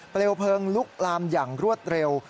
เพลิงลุกลามอย่างรวดเร็ว